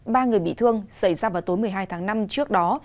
ba người bị thương xảy ra vào tối một mươi hai tháng năm trước đó